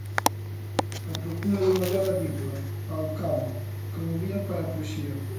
A procura dunha ollada limpa, ao cabo, como vía para a poesía.